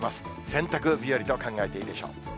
洗濯日和と考えていいでしょう。